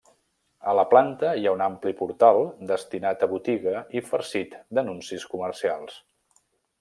A la planta hi ha un ampli portal destinat a botiga i farcit d'anuncis comercials.